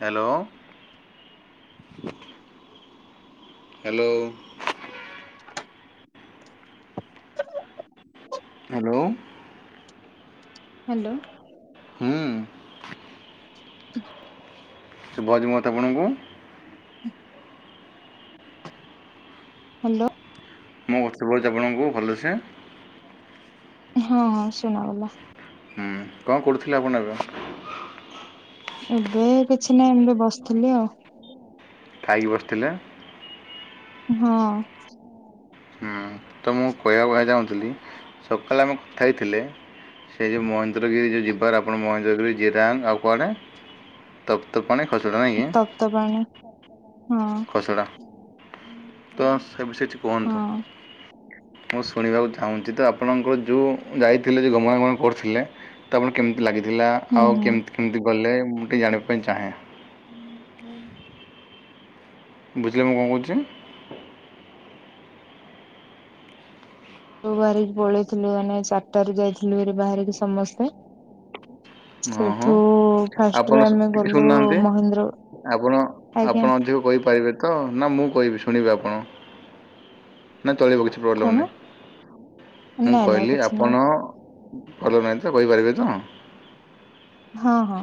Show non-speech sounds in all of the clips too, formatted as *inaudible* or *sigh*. Hello. Hello. Hello. Hello. ହୁଁ। *unintelligible* ମତ ଆପଣଙ୍କୁ। ହ୍ୟାଲୋ। ମୁଁ *unintelligible* ଆପଣଙ୍କୁ ଭଲସେ। ହଁ ହଁ ସୁଣାଗଲା। ହୁଁ କଣ କରୁଥିଲେ ଆପଣ ଏବେ? ଏବେ କିଛି ନାହିଁ ଏମବେ ବସିଥିଲି ଆଉ। ଖଇକି ବସିଥିଲେ? ହଁ। ହୁଁ। ତ ମୁଁ କହିବା କ ଚାହୁଁଥିଲି, ସକାଳେ ଆମେ କଥା ହେଇଥିଲେ ସେ ଯେଉଁ ମହେନ୍ଦ୍ରଗିରି ଯେଉଁ ଯିବାର ଆପଣ ମହେନ୍ଦ୍ରଗିରି ଜିରାଙ୍ଗ ଆଉ କୁଆଡ଼େ ତପ୍ତପେନି ଖସୁଡ଼ା ନାଇଁ ତପ୍ତ ପାଣି କି ହଁ ଖସଡ଼ା ତ ସେ ବିଷୟରେ କିଛି କୁହନ୍ତୁ? ହଁ ମୁଁ ଶୁଣିବାକୁ ଚାହୁଁଛି ତ ଆପଣଙ୍କର ଯେଉଁ ଯାଇଥିଲେ ଯେଉଁ ଗମନାଗମନ କରୁଥିଲେ ତ ଆପଣ କେମିତି ଲାଗିଥିଲା ହୁଁ ଆଉ ହୁଁ କେମିତି କେମିତି ଗଲେ ମୁଁ ଟିକେ ଜାଣିବା ପାଇଁ ଚାହେଁ। *unintelligible* ତୁ ବାହାରିକି ପଳେଇଥିଲୁ ମାନେ ଚାରିଟାରୁ ଯାଇଥିଲୁ ଏ ବାହାରିକି ସମସ୍ତେ। ହଁ ହଁ ସେଇଠୁ ଫାଷ୍ଟରେ ଆପଣ ଆମେ ଟିକେ ଗଲୁ ଶୁଣନାହାନ୍ତି ମହେନ୍ଦ୍ର ଆପଣ ଆଜ୍ଞା ଆପଣ ଅଧିକ କହିପାରିବେ? ତ ନା ମୁଁ କହିବି ଶୁଣିବି ଆପଣ ନା ଚଳିବ କି? କଣ? ମୁଁ ନାଇଁ ନାଇଁ କହିଲି କିଛି ଆପଣ ନାଇଁ ଭଲ ନାହିଁ ତ, କହିପାରିବେ ତ? ହଁ ହଁ,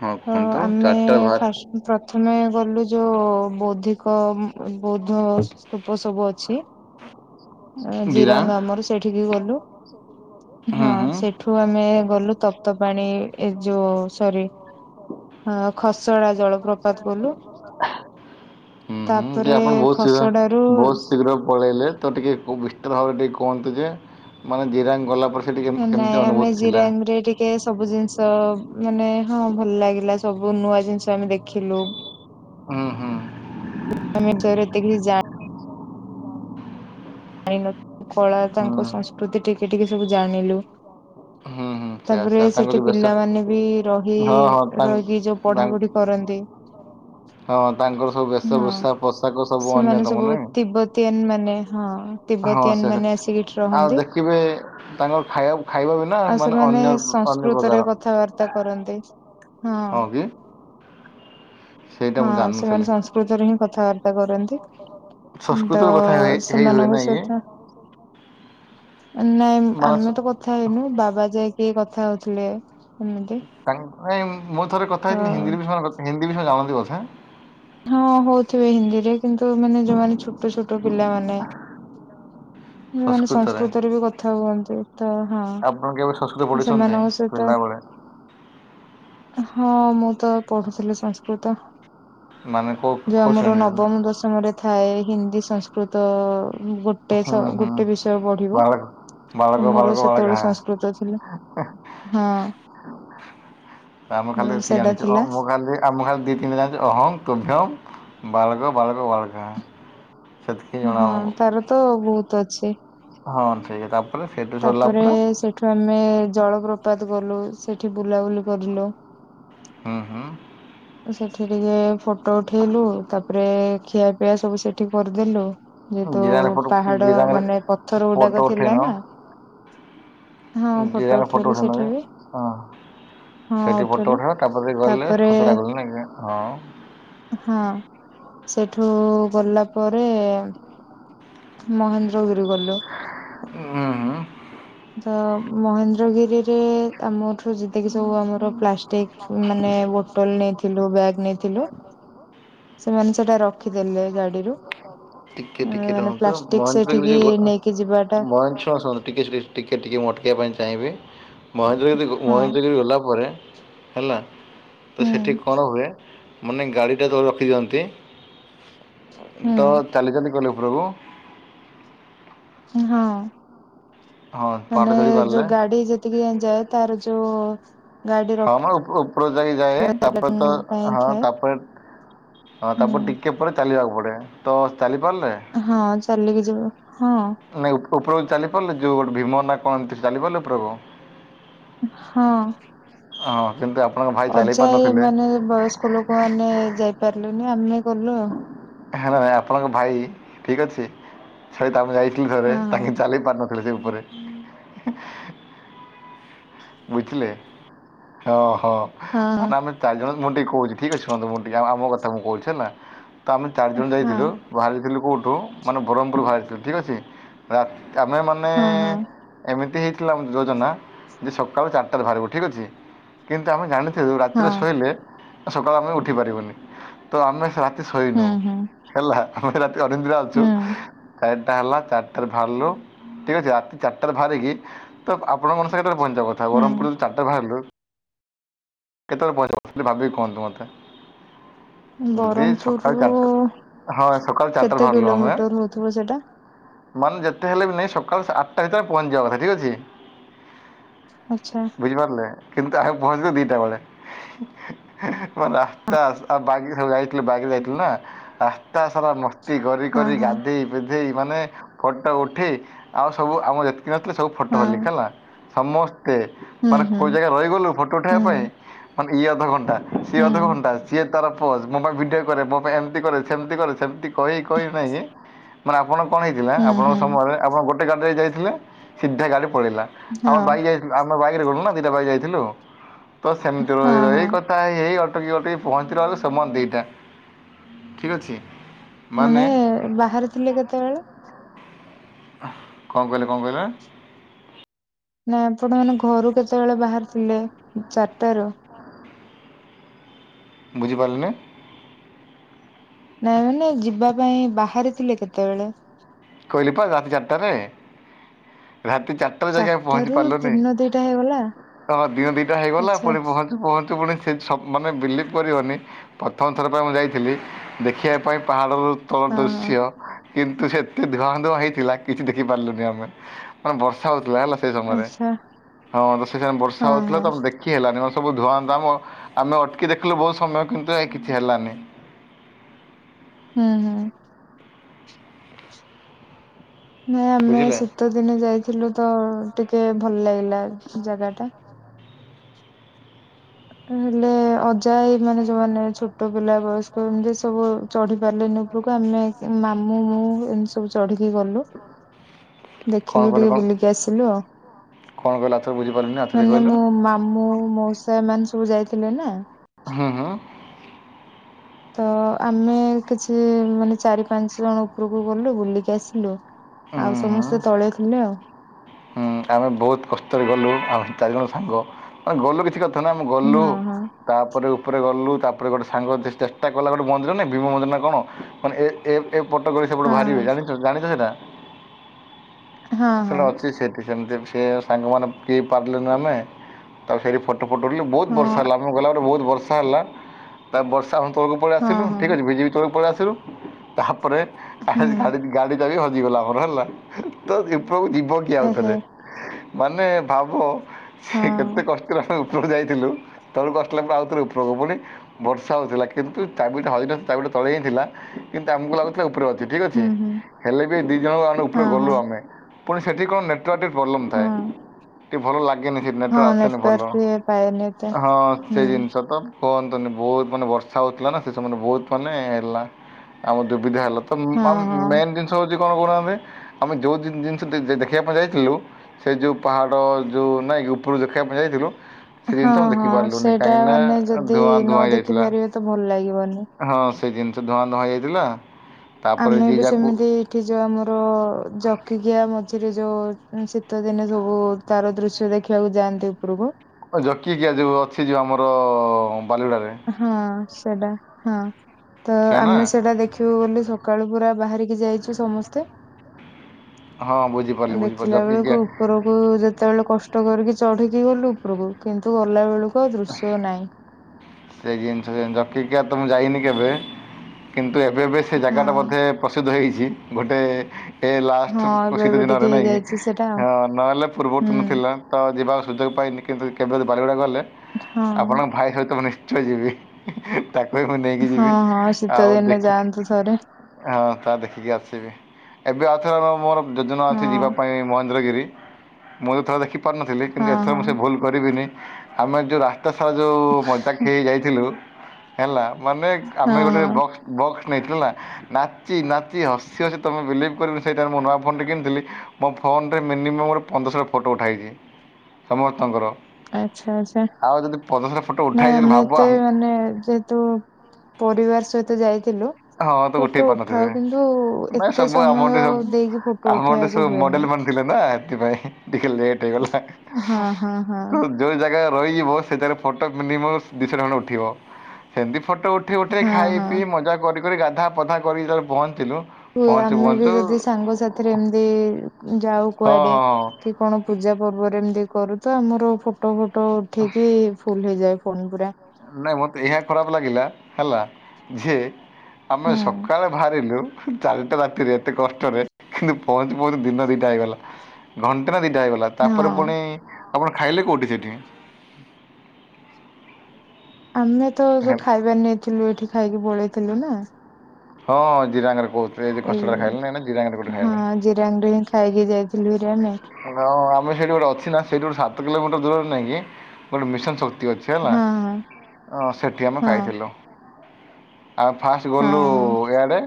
ହଁ କୁହନ୍ତୁ ଆମେ ଚାରିଟା ବାହାର ଫାଷ୍ଟ ପ୍ରଥମେ ଗଲୁ ଯୋଉ ବୌଦ୍ଧିକ ବୌଦ୍ଧ ସ୍ତୁପ ସବୁ ଅଛି। ଗିରାଙ୍ଗ ଜିରାଙ୍ଗ ଆମର ସେଠିକି ଗଲୁ, ହଁ ହୁଁ ହୁଁ ସେଠ ଏଠୁ ଆମେ ଗଲୁ ତପ୍ତ ପାଣି, ଏ ଯୋଉ ସରି ହଁ ଖସଡା ଜଳପ୍ରପାତ ଗଲୁ। ହୁଁ ହୁଁ, କି ତାପରେ ଆପଣ ବହୁତ ଶୀଘ୍ର, ଖସଡାରୁ ବହୁତ ଶୀଘ୍ର ପଳେଇଲେ। ତ ଟିକେ ବିସ୍ତାର ଭାବରେ ଟିକେ କୁହନ୍ତୁ ଯେ -ମାନେ ଜିରାଙ୍ଗ ଗଲା ପରେ ସେଠି କେମ- କେମିତି ନାଇଁ ଆମେ ଅନୁଭୂତି ଥିଲା ଜିରାଙ୍ଗ ଟିକେ ସେ ସବୁ ଜିନିଷ ମାନେ ହଁ ଭଲ ଲାଗିଲା ସବୁ ନୂଆ ଜିନିଷ ଆମେ ଦେଖିଲୁ। *inaudible* ହୁଁ ହୁଁ *unintelligible* ଆଣିନୁ କଳା ହୁଁ ତାଙ୍କ ସଂସ୍କୃତି ଟିକେ ଟିକେ ସବୁ ଜାଣିଲୁ। ହୁଁ ହୁଁ ସେ ତାପରେ ଆଶା ତାଙ୍କ ସେଠି ଯେଉଁ ବେଶ ପିଲାମାନେ ବି ରହି ହଁ ହଁ ତାଙ୍କ ରହିକି ଯୋଉ ତାଙ୍କ ପଢାପଢି କରନ୍ତି, ହଁ ତାଙ୍କର ସବୁ ବେଶ ହଁ ଭୂଷା ପୋଷାକ ସବୁ ଅନ୍ୟ ତମ ନାଇଁ ନ ମାନେ ହଁ ହଁ ତିବ୍ବତୀୟାନ ସେ ମାନେ ଆସିକି ଏଠି ଆଉ ରହନ୍ତି ଦେଖିବେ ତାଙ୍କର ଖାଇବା ଖାଇବା ବିନା ଆଉ ମାନେ ସେମାନେ ଅନ୍ୟ ଅନ୍ୟ ସଂସ୍କୃତରେ ପ୍ରକାର କଥାବାର୍ତ୍ତା କରନ୍ତି, ହଁ ସେଇଟା ମୁଁ ହଁ ଜାଣିନଥିଲି ସେମାନେ ସଂସ୍କୃତରେ ହିଁ କଥାବାର୍ତ୍ତା କରନ୍ତି। ତ ସଂସ୍କୃତର କଥା ହେଇ ହେଇ ହୁଏ ନା ସେମାନଙ୍କ ଇଏ ସହିତ ନାଇଁ ମାନେ ଆମେ ସ- ତ କ କଥା ହେଇନୁ ବାବା ଯାଇକି କଥା ହଉଥିଲେ ଏମିତି ତା ନାଇଁ ମୁଁ ଥରେ କଥା ତ ହେଇଥିଲି, ହିନ୍ଦୀରେ ବି ସେମାନେ, ହିନ୍ଦୀ ବିଷୟ ଜାଣନ୍ତି ବୋଧେ? ହଁ ହଉଥିବେ ହିନ୍ଦୀରେ କିନ୍ତୁ ମାନେ ଯୋଉମାନେ ଛୋଟ ଛୋଟ ପିଲାମାନେ ମାନେ ସଂସ୍କୃତରେ ବି କଥା ହୁଅନ୍ତି। ତ ହଁ, ଆପଣ କେବେ ସଂସ୍କୃତ ପଢ଼ିଛନ୍ତି ସେମାନଙ୍କ ସହିତ ପିଲାବେଳେ ହଁ ମୁଁ ତ ପଢୁଥିଲି ସଂସ୍କୃତ। ମାନେ କୋଉ ଯୋଉ କୋଉ ଆମର ଶ୍ରେଣୀରେ ନବମ ଦଶମରେ ଥାଏ ହିନ୍ଦୀ ସଂସ୍କୃତ ଗୋଟେ ଗୋଟେ, ହୁଁ ହୁଁ ଗୋଟେ ବିଷୟ ପଢିବ, ବାଳକ ବାଳକ ମୋର ବାଳକ ବାଳକ ସେତେବେଳେ ହଁ ସଂସ୍କୃତ ଥିଲା। ହଁ ଅଁ ଆମ ଖାଲି ଜାଣିଛୁ, ମୁଁ ଖାଲି, ଆମ ଖାଲି ଦି ତିନି ଜାଣିଛି ଅହମ ତୁଭ୍ୟମ ବାଲଗ ବାଳକ ବାଳକାହା ହଁ ତାର ତ ବହୁତ ଅଛି। ହଁ ଠିକେ ତାପରେ ସେଇଠୁ ସରିଲା ପରେ ଏଠୁ ଆମେ ଜଳପ୍ରପାତ ଗଲୁ, ସେଠି ବୁଲାବୁଲି କରିଲୁ ହୁଁ ହୁଁ ସେଠି ଟିକେ ଫଟୋ ଉଠେଇଲୁ ତାପରେ ଖିଆ ପିଆ ସବୁ ସେଠି କରିଦେଲୁ *unintelligible* ଯେହେତୁ *unintelligible* ପାହାଡ ମାନେ ପଥର ଗୁଡାକ ଫଟୋ ଥିଲା ଉଠେଇନ ନା ହଁ ଫଟୋ ଜିରାଳ ଫୋଟ ଉଠେଇଲୁ ଉଠେଇନ ସେଠି ବି ହଁ ହଁ ସେଠି ଫଟୋ ଉଠେଇଲୁ ଉଠେଇବା ତାପରେ ଗଲେ ଖସଡା ଗଲେ ଖସଡ଼ା ହଁ ହଁ ସେଠୁ ଗଲା ପରେ ମହେନ୍ଦ୍ରଗିରି ଗଲୁ ହୁଁ ହଁ ତ ମହେନ୍ଦ୍ରଗିରିରେ ଆମଠୁ ଯେତିକି ସବୁ ଆମର ପ୍ଲାଷ୍ଟିକ ମାନେ ବୋଟଲ ନେଇଥିଲୁ ବ୍ୟାଗ୍ ନେଇଥିଲୁ। ସେମାନେ ସେଟା ରଖିଦେଲେ ଗାଡିରୁ ଟିକେ ଅ, ଟିକେ ମାନେ ରୁହନ୍ତୁ ପ୍ଲାଷ୍ଟିକ ସେଠିକି ନେଇକି ଯିବାଟା *unintelligible* ଟିକେ ଟିକେ ଟିକେ ଟିକେ ମୁଁ ଅଟକେଇବାକୁ ଚାହିଁବି ମହେନ୍ଦ୍ରଗିରି ହଁ ମହେନ୍ଦ୍ରଗିରି ଗଲା ପରେ ହେଲା ତ ହୁଁ ସେଠିକଣ ହୁଏ। ମାନେ ଗାଡି ଟା ତୋଲେ ରଖି ଦିଅନ୍ତି ତ ଚାଲି ଚାଲି ଗଲେ ଉପରକୁ ହଁ ହଁ ପାହାଡ଼ ମାନେ ଚଢ଼ି ପାରିଲେ ଯୋଉ ଗାଡି ଯେ ତି ଏଞ୍ଜୟ ତାର ଯୋଉ ଗାଡି ହଁ ମ ରଖିବା ଉପ ଉପର ଯାଇ ଯାଏ ଜାଗା ତାପରେ ତ ପାଇଁ ହଁ ଥାଏ ତାପରେ ହଁ ହୁଁ ତାପରେ ଟିକେ ପରେ ଚାଲିବାକୁ ପଡେ ତ ଚାଲି ପାରିଲେ ହଁ ଚାଲିକି ଯିବ ହଁ ନାଇଁ ଉପରଭୁ ଚାଲି ପାରିଲେ ଯୋଉ ଗୋଟେ ଭୀମ ନା କଣନ୍ତି ଚାଲି ପାରିଲେ ପ୍ରଭୁ ହଁ ହଁ କିନ୍ତୁ ଆପଣଙ୍କ ଭାଇ ଚାଲି ଅଜା ଏ ପାରିନଥିଲେ ମାନେ ବୟସ୍କ ଲୋକ ମାନେ ଯାଇପାରିଲେନି ଆମେ ଗଲୁ ଆଉ ହେ ନାଇଁ ଆପଣଙ୍କ ଭାଇ ଠିକ ଅଛି ସହିତ ଆମେ ଯାଇଥିଲୁ ଥରେ ହଁ ତାଙ୍କି ଚାଲି ପାରୁନଥିଲେ। *unintelligible* ଉପରେ ବୁଝିଲେ ହଁ ହଁ ହଁ ମାନେ ଆମେ ଚାରିଜଣ ମୁଁ ଟିକେ କହୁଛି ଠିକ୍ ଅଛି ମୁଁ ଟିକେ ଆମ କଥା ମୁଁ କହୁଛି ହେଲା ତ ଆମେ ଚାରିଜଣ ହଁ ହଁ ଯାଇଥିଲୁ। ବାହାରିଥିଲୁ କେଉଁଠୁ ମାନେ ବ୍ରହ୍ମପୁର ବାହାରିଥିଲୁ ଠିକ୍ ଅଛି ରା ଆମେମାନେ ହଁ ହଁ ଏମିତି ହେଇଥିଲା ଆମ ଯୋଜନା। ଯେ ସକାଳୁ ଚାରିଟାରେ ବାହାରିବୁ ଠିକ୍ ଅଛି କିନ୍ତୁ ଆମେ ଜାଣିଥିଲୁ ରାତିରେ ହଁ ଶୋଇଲେ। ସକାଳୁ ଆମେ ଉଠି ପାରିବୁନି ତ ଆମେ ଶୋଇନୁ ହୁଁ ହୁଁ ହେଲା ଆମେତ ରାତି ଅନିଦ୍ରା ଅଛୁ। ଚାରିଟା ହେଲା ଚାରିଟାରେ ବାହାରିଲୁ ଠିକ ଅଛି ରାତି ଚାରିଟାରେ ବାହାରିକି ତ ଆପଣଙ୍କ ମନ ସା ପହଞ୍ଚିବା କଥା ହୁଁ ବ୍ରହ୍ମପୁରୁ ଚାରଟା ବାହାରିଲୁ କେତେବେଳେ ପହଁଚିବୁ ଭାବିକି କୁହନ୍ତୁ ମତେ? ହୁଁ ଦି ସକାଳ ବ୍ରହ୍ମପୁରରୁୁ ଚାରିଟ ହଁ ସକାଳ ଚାରିଟାରେ କେତେ ବାହାରିଲୁ ଆମେ କିଲୋମିଟର ହଉଥିବ ସେଟା ମାନେ ଯେତେ ହେଲେ ବି ନାଇଁ ସକାଳ ଆଠଟା ଭିତରେ ପହଞ୍ଚିବା କଥା ଠିକ ଅଛି ଆଚ୍ଛା ବୁଝି ପାରିଲେ କିନ୍ତୁ ଆମେ ପହଁଚିଲୁ ଦିଟା ବେଳେ ହେଁ ହେଁ ରାସ୍ତା *unintelligible* ଯାଇଥିଲୁ ବାଗୀ ଯାଇଥିଲୁ ନା। ଦିନ ସାରା ମସ୍ତି କରି ହଁ କରି ହଁ ଗାଧୋଇ ବିଧେଇ ମାନେ ଫଟୋ ଉଠେଇ ଆଉ ସବୁ ଆମର ଯେତିକି ନଥିଲେ ସବୁ ଫଟୋ ହଁ ହେଲି ହେଲା ସମସ୍ତେ ହୁଁ ମାନେ ହୁଁ କୋଉ ଜାଗା ରହିଗଲୁ ଫଟୋ ହୁଁ ଉଠେଇବା ପାଇଁ ମାନେ ଇ ଅଧଘଣ୍ଟା ସିଏ ହୁଁ ଅଧଘଣ୍ଟା ସିଏ ତାର ମୋ ପାଇଁ ବିଡି କରେ ମୋ ପାଇଁ ଏମିତି କରେ ସେମିତି କରେ ସେମିତି କହି କହି ନାହିଁ। ମାନେ ଆପଣ କଣ ହେଇଥିଲା ହୁଁ ଆପଣଙ୍କ ହୁଁ ସମୟରେ ଆପଣ ଗୋଟେ ଗାଡ଼ି ଯାଇ ଯାଇଥିଲେ ସିଧା ଗାଡ଼ି ପଳିଲା। ହଁ ଆମର ବାଇକ ଯାଇଥିଲୁ ଆମେ ବାଇକରେ ଗଲୁ ନା ଦିଟା ବାଇକ ଯାଇଥିଲୁ ତ ସେମିତି ହଁ ରହି ରହି ହଁ ହେଇ ଅଟକି ଅଟକି ପହଞ୍ଚିବା ବଲେ ସମୟ ଦିଟା ଠିକ ଅଛି। ମାନେ ବାହାରେ ଥିଲେ କେତେବେଳେ? କଣ କହିଲେ କଣ କହିଲେ? ନାଇଁ ଆପଣମାନେ ଘରୁ କେତେବେଳେ ବାହାରି ଥିଲେ, ଚାରିରେ? ବୁଝିପାରିଲେନି? ନାଇଁ ମାନେ ଯିବାପାଇଁ ବାହାରିଥିଲେ କେତେବେଳେ? କହିଲିପା ରାତି ଚାରିଟାରେ, ରାତି ଚାରଟ ଯାଇକି ଆଉ ପହଞ୍ଚି ଚାରିଟାରୁ ପାରିଲୁନି ଦିନ ଦିଟା ହେଇଗଲା ତାପରେ ଦିନ ଦିଟା ହେଇଗଲା ଆଚ୍ଛା ପଣି ପହ ପହଞ୍ଚୁ ପୁଣି ସେ ମାନେ ବିଲିଭ୍ କରିବନି। ପ୍ରଥମଥର ପାଇଁ ମୁଁ ଯାଇଥିଲି ଦେଖିବା ପାଇଁ ପାହାଡ଼ର ତଳ ହଁ ହଁ ଦୃଶ୍ୟ। କିନ୍ତୁ ସେ ଏତେ ଧୁଆଁ ଧୁଆ ହେଇଥିଲା କିଛି ଦେଖି ପାରିଲୁନି ଆମେ ମାନେ ବର୍ଷା ହଉଥିଲା ହେଲା। ସେଇ ସମୟରେ ଆଚ୍ଛା ହଁ ତ ସେ ସମୟରେ ବର୍ଷା ହଁ ହଉଥିଲା ହଁ ତ ଆମେ ଦେଖ କି ହେଲାନି ସବୁ ଧୂଆଁ ଧୂଆଁ ଆମ ଆମେ ଅଟକି ଦେଖିଲୁ ବହୁତ ସମୟ କିନ୍ତୁ କିଛି ହେଲାନି। ହୁଁ ହୁଁ। ନାଇଁ ଆମେ ବୁଝିଲେ ଶୀତ ଦିନେ ଯାଇଥିଲୁ ତ ଟିକେ ଭଲ ଲାଗିଲା ଜାଗାଟା। ହେଲେ ଅଜାଆଇମାନେ ଯୋମାନେ ଛୋଟ ପିଲା ବୟସ୍କ ଏମିତି ସବୁ ଚଢି ପାରିଲେନି। ରକୁ ଆମେ ମାମୁଁ, ମୁଁ ଏମିତି ସବୁ ଚଢିକି ଗଲୁ। କ'ଣ ଦେଖିଲୁ କହିଲେ ଟିକେ କ'ଣ ବୁଲିକି ଆସିଲୁ ଆଉ। କ'ଣ କହିଲେ ଆଉଥରେ ବୁଝିପାରିଲିନି ଆଉଥରେ ମାନେ କହିଲେ ମୋ ମାମୁଁ ମଉସା ଏମାନେ ସବୁ ଯାଇଥିଲେ ନା। ହୁଁ ହୁଁ। ତ ଆମେ କିଛି ମାନେ ଚାରି ପାଞ୍ଚ ଜଣ ଉପରକୁ ଗଲୁ ବୁଲିକି ଆସିଲୁ। ହୁଁ ଆଉ ସମସ୍ତେ ତଳେ ଥିଲେ ଆଉ। ହଁ ଆମେ ବହୁତ କଷ୍ଟରେ ଗଲୁ। ଆମେ ଚାରିଜଣ ସାଙ୍ଗ ଆମେ ଗଲୁ କିଛି କ ଆମେ ହଁ ଗଲୁ। ତାପରେ ଉପରେ ଗଲୁ ତାପରେ ଗୋଟେ ସାଙ୍ଗ ଚେଷ୍ଟା କଲା ଗୋଟେ ମନ୍ଦିର ନା ଭୀମ ମନ୍ଦିର ନା କଣ। ମାନେ ଏ ପଟ ଗଳି ସେପଟେ ହଁ ବାହାରିବେ ଜଣିଛ ଜାଣିଛ ସେଟା? ହଁ ହଁ ହଁ ହଁ ସେଟା ଅଛି ସେଠି ସେମିତି ସେ ସାଙ୍ଗମାନେ କିଏ ପାରିଲୁନି ଆମେ ତାକୁ ସେଠି ଫ ଫଟ ଫଟ ଉଠେଇଲୁ ବହୁତ ହଁ ବର୍ଷା ହେଲା ଆମେ ଗଲା ପରେ ବହୁତ ବର୍ଷା ହେଲା ତା ବର୍ଷା ତଳକୁ ପଳେଇ ଆସିଲୁ ହଁ ହଁ ଠିକ ଅଛି ଭିଜିକି ତଳକୁ ପଳେଇ ଆସିଲୁ ତାପରେ ହୁଁ ଆସିକି ଗାଡ଼ି ଗାଡିଚାବି ହଜିଗଲା ଆମର ହେଲା ତ ଦିପକୁ ଯିବ କିଏ ଆଉ ଏହେ ଥରେ। ମାନେ ଭାବ ସେ କେତେ ହଁ। କଷ୍ଟ। ଉପରକୁ ଯାଇଥିଲୁ ତଳକୁ ଆସିଲା ପରେ ଆଉଥରେ ଉପରକୁ ପୁଣି। ବର୍ଷା ହଉଥିଲା କିନ୍ତୁ ଚାବିଟା ହଜି ଚାବିଟା ତଳେ ହିଁ ଥିଲା। କିନ୍ତୁ ଆମକୁ ଲାଗୁଥିଲା ଉପରେ ଅଛି ଠିକ୍ ହୁଁ ଅଛି ହୁଁ ହେଲେ ବି ଦି ଜଣ ଆମେ ହଁ ଉପରେ ହଁ ଗଲୁ ଆମେ। ପୁଣି ସେଠି କଣ ନେଟୱାର୍କ ଟିକେ ପ୍ରୋବ୍ଲେମ୍ ହଁ ଥାଏ। ଟିକେ ଭଲ ଲାଗେନି ସେ ହଁ ନେଟୱାର୍କ ଆସେନି ଭଲ ନେଟୱାର୍କ ଇଏ ପାଏନି ଏତେ ହଁ ହୁଁ ସେଇ ଜିନିଷ ତ। କୁହନ୍ତୁନି ବହୁତ ମାନେ ବର୍ଷା ହଉଥିଲା ନା ସେ ସମ ବହୁତ ମାନେ ହେଲା ଆମ ଦୁବିଧା ହେଲା ତ ହଁ ହଁ ମେନ୍ ଜିନିଷ ହଉଛି କଣ କହୁନାହାନ୍ତି ଆମେ ଯୋଉ ଜ ଦେଖିବା ପାଇଁ ଯାଇଥିଲୁ ସେ ଯେଉଁ ପାହାଡ଼ ଯେଉଁ ନାହିଁକ ଉପରକୁ ଦେଖିବା ପାଇଁ ଯାଇଥିଲୁ। ସେ ହଁ ଜିନିଷ ଆମେ ଦେଖି ହଁ ପାରିଲୁନି ସେଇଟା କାହିଁକି ନା ମାନେ ଯଦି ଧୂଆଁଧୂଆଁ ନ ଦେଖି ହେଇଯାଇଥିଲା। ପାରିବେ ତ ଭଲ ଲାଗିବନି। ହଁ ସେ ଜିନିଷ ଧୁଆଁ ଧୁଆ ହେଇଯାଇଥିଲା। ତାପରେ ଆମେ ଯିଏ ବି ଯାହାକୁ ସେମିତି ଏଠି ଯୋଉ ଆମର ଜକିକିଆ ମଝିରେ ଯୋଉ ଶୀତଦିନେ ସବୁ ତାର ଦୃଶ୍ୟ ଦେଖିବାକୁ ଯାଆନ୍ତି ଉପରକୁ। ଜକିକିଆ ଯୋଉ ଅଛି ଯୋଉ ଆମର ବାଲିଗୁଡାରେ। ହଁ ସେଟା ହଁ ତ ସେଇଆ ନା ଆମେ ସେଟା ଦେଖ ବୋଲି ସକାଳୁ ପୁରା ବାହାରିକି ଯାଇଛୁ ସମସ୍ତେ। ହଁ ବୁଝି ଦେଖିଲା ବେଳକୁ ଉପରକୁ ଯେତେବେଳେ କଷ୍ଟ କଷ୍ଟ କରିକି ଚଢି଼କି ଗଲୁ ଉପରକୁ କିନ୍ତୁ ଗଲା ବେଳକୁ ଆଉ ଦୃଶ୍ୟ ନାହିଁ। ସେ ଜିନିଷ ସେମିତି ଜକିକିଆ ତ ମୁଁ ଯାଇନି କେବେ କିନ୍ତୁ ଏବେ ଏବେ ସେ ଜାଗାଟା ହଁ ବୋଧେ ପ୍ରସିଦ୍ଧ ହେଇଛି ଗୋଟେ ଏ ହଁ ଲାଷ୍ଟ କୁ ଏବେ ଏବେ ଟିକେ ଶୀତଦିନରେ ନାଇଁ କି? ହେଇଯାଇଛି ସେଟା ଆଉ ନହେଲେ ପୂର୍ବରୁ ହୁଁ ତ ନଥିଲା। ତ ଯିବାକୁ ସୁଯୋଗ ପାଇନି। କିନ୍ତୁ କେବେ ଯଦି ବାରିପଦା ଗଲେ ହଁ ଆପଣଙ୍କ ଭାଇ ସହିତ ମୁଁ ନି ଠୁ ଯିବି। ତାକୁ ହିଁ ମୁଁ ନେଇକି ହଁ ଯିବି। ହଁ ଶୀତ ଆଉ ଦିନେ ଦେଖି ଯାଆନ୍ତୁ ଥରେ ହଁ ତା ଦେଖିକି ଆସିବି। ଏବେ ଆଉ ଥରେ ବା ମୋର ଯୋଜନା ହଁ ଅଛି ଯିବା ପାଇଁ ମହେନ୍ଦ୍ରଗିରି। ମୁଁ ଏଇ ଥର ଦେଖିପାରୁନଥିଲି, କିନ୍ତୁ ହଁ ଏଥର ହଁ ମୁଁ ସେ ଭୁଲ୍ କରିବିନି। ଆମେ ଯୋଉ ରାସ୍ତା ସାରା ଯୋଉ ମ ଯାଇଥିଲୁ ହେଲା। ମାନେ ହଁ ଆମେ ଗୋଟେ ହଁ ବକ୍ସ୍ ବକ୍ସ୍ ନେଇଥିଲୁ ହେଲା। ନାଚି ନାଚି ହସି ହସି ତମେ ବିଲିଭ୍ କରିବନି ସେଇ ଟାଇମ୍ ରେ ମୁଁ ନୂଆ ଫୋନ୍ ଟେ କିଣିଥିଲି ମୋ ଫୋନରେ ମିନିମମ୍ ଗୋଟେ ପନ୍ଦରଶହଟା ଫଟୋ ଉଠାହେଇଛି ସମସ୍ତଙ୍କର। ଆଛା ଆଛା। ଆଉ ଯଦି ପନ୍ଦରଶହଟା ଫଟୋ ନା ଉଠାହେଇଛି ବୋଲି ଆମେ ଭାବ ଏତେ ଆମ ମାନେ ଯେହେତୁ ପରିବାର ସହିତ ଯାଇଥିଲୁ ହଁ ତ ଉଠେଇ ଫୋଟୋ ପାରିନଥିବେ ଉଠାଉ। କିନ୍ତୁ ନାଇଁ ଏତେ ସବୁ ଆମଠି ସମୟ ଆଉ ଦେଇକି ଫୋଟୋ ଉଠେଇବାକୁ ହୁଏନି। *unintelligible* ଏଥିପାଇଁ ଟିକେ ଲେଟ୍ ହେଇଗଲା। ହଁ ହଁ ହଁ *unintelligible* ଯୋଉ ଜାଗାରେ ରହିଯିବୁ ସେ ଜାଗାରେ ଫଟୋ ମିନିମମ୍ ଦୁଇଶହଟା ଖଣ୍ଡେ ଉଠିବ। ସେମିତି ଫଟୋ ଉଠ ଉଠି ଉଠି ହଁ ଖାଇ ହଁ ପିଇ ମଜା କରିିକରି ଗାଧା ପାଧା କରିିକି ଯେତେବେଳେ ପହଞ୍ଚିଲୁ ଇଏ ପହଞ୍ଚୁ ଆମେ ବି ପହଞ୍ଚୁ ଯଦି ସାଙ୍ଗ ସାଥିରେ ଏମତି ଯାଉ ହଁ କୁଆଡେ ହଁ ହଁ କି କଣ ପୂଜା ପର୍ବରେ ଏମିତି କରୁ ତ ଆମର ଫୋଟୋ ଫୋଟୋ ଉଠେଇକି ଫୁଲ୍ ହେଇଯାଏ। ଫୋନ୍ ଗୁରା ନାଇଁ ମୋତେ ଏହା ଖରାପ ଲାଗିଲା ହେଲା ଯେ ଆମେ ହୁଁ ସକାଳେ ବାହାରିଲୁ ଚାରିଟା ରାତିରେ ଏତେ କଷ୍ଟରେ କିନ୍ତୁ ପହଞ୍ଚୁ ପହଞ୍ଚୁ ଦିନ ଦିଟା ହେଇଗଲା। ଘଣ୍ଟେ ନା ଦିଟା ହେଇଗଲା। ତା ପରେ ହଁ ପୁଣି, ଆପଣ ଖାଇଲେ କୋଉଠି ସେଠି? ଆମେ ତ ଯୋଉ ହଁ ଖାଇବା ନେଇଥିଲୁ ଏଠି ଖାଇକି ପଳେଇଥିଲୁ ନା। ହଁ ଜିରାଙ୍ଗରେ କହୁଥିଲେ ଏ *unintelligible* ଖାଇଲେନି ଜିରାଙ୍ଗ କୋଉଠି ଖାଇଲେ। ଙ୍ଗ ହିଁ ଖାଇକି ଯାଇଥିଲୁ ବିରିଆନୀ। ହଁ ଆମେ ସେଠି ଗୋଟେ ଅଛି ନା ସେଇଠି ଗୋଟ ସାତ କିଲୋମିଟର ଦୂରରେ ନାଇ କି, ଗୋଟେ ମିଶନ ଶ ଅଛି ହେଲା, ହଁ ହଁ। ସେଠି ଆମେ ହଁ ଖାଇଥିଲୁ। ଆଉ ଫାଷ୍ଟ ହଁ ଗଲୁ ହଁ ଇଆଡ଼େ।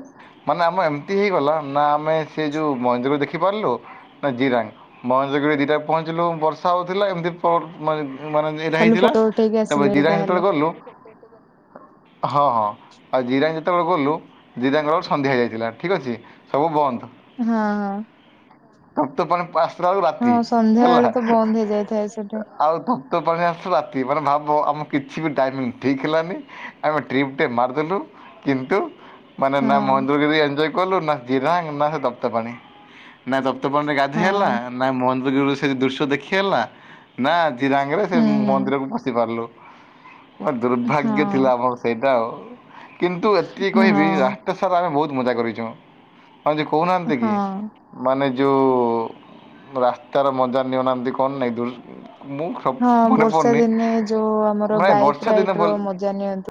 ମାନେ ଆମ ଏମିତି ହେଇଗଲା ନା ଆମେ ସେ ଯେଉଁ ମହେନ୍ଦ୍ରଗିରି ଦେଖିପାରିଲୁ ନା ଜିରାଙ୍ଗ। ମହେନ୍ଦ୍ରଗିରି ରେ ଦିଟା ରେ ପହଞ୍ଚିଲୁ ବର୍ଷା ହଉଥିଲା ଏମିତି *unintelligible* ମାନେ ମାନେ ଦିଟା ଖାଲି ହେଇଥିଲା ଫଟୋ ଉଠେଇକି ତାପରେ ଆସିଲେ ହେରି ଜିରାଙ୍ଗ ତାହେଲେ ସେତେବେଳେ ଗଲୁ ହଁ ହଁ। ଆଉ ଜିରାଙ୍ଗ ଯେତେବେଳେ ଗଲୁ ଜିରାଙ୍ଗ ଗଲା ବେଳକୁ ସନ୍ଧ୍ୟା ହଇଯାଇଥିଲା ଠିକ୍ ଅଛି। ସବୁ ବନ୍ଦ। ହଁ। ତପ୍ତପାଣି ପାସ୍ କଲାବେଳକୁ ରାତି ହଁ ସନ୍ଧ୍ୟା ହେଲା। ବେଳେ ତ ବନ୍ଦ ହେଇଯାଇଥାଏ ସେଠି ଆମର ତପ୍ତପାଣି ଆସୁଚୁ ରାତି। ମାନେ ଭାବ ଆମ କିଛି ବି ଟାମିଙ୍ଗ୍ ଠିକ୍ ହେଲାନି। ଆମେ ଟ୍ରିପ୍ ଟେ ମାରିଦେଲୁ। କିନ୍ତୁ ମାନେ ନା ହଁ ମହେନ୍ଦ୍ରଗିରି ଏନ୍ଜୟ କଲୁ ନା ଜିରାଙ୍ଗ ନା ସେ ତପ୍ତପାଣି। ନା ତପ୍ତପାଣିରେ ଗାଧୋଇ ହେଲା ହଁ। ନା ମହେନ୍ଦ୍ରଗିରିରୁ ସେ ଦୃଶ୍ୟ ଦେଖି ହେଲା ନା ଜିରାଙ୍ଗରେ ସେ ହୁଁ ମନ୍ଦିରକୁ ପଶି ପାରିଲୁ। ମାନେ ହୁଁ ଦୁର୍ଭାଗ୍ୟ ଥିଲା ଆମର ସେଇଟା ଆଉ। କିନ୍ତୁ ଏତିକି ହଁ କହିବି ରା ହଁ ବାଟ ସାରା ଆମେ ବହୁତ ମଜା କରିଚୁ। ଆମେ ଯୋଉ କହୁନାହାନ୍ତିକି ହଁ। ମାନେ ଯୋଉ ରାସ୍ତାର ମଜା ନିଅ ନାହାନ୍ତି କଣ ନାଇଁ। *unintelligible* ହଁ ମନେ ବର୍ଷା ପଡ଼ୁନି ଦିନେ ଯୋଉ ଆମର ମାନେ ବାଇକ୍ ବର୍ଷା ଦିନେ ରାଇଡ୍ ର ଭଲ ମଜା ନିଅନ୍ତି।